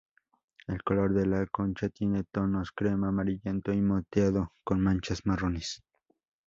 El color de la concha tiene tonos crema, amarillento y moteado con manchas marrones.